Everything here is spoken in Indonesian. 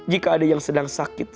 jika ada yang sedang sakit